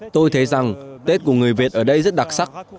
tôi thấy rằng tết của người việt ở đây rất đặc sắc